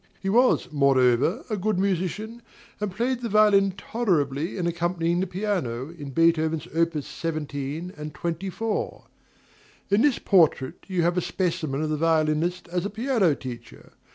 He was, moreover, a good musician, and played the violin tolerably in accompanying the piano, in Beethoven's opus 17 and 24. In this portrait you have a specimen of the violinist as a piano teacher.